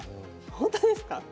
本当ですか？